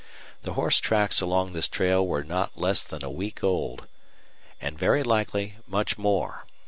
The horse tracks along this trail were not less than a week old, and very likely much more.